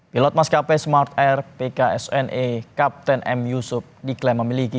pilot maskapai smart air pksne kapten m yusuf diklaim memiliki